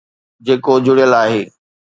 جيڪو جڙيل آهي.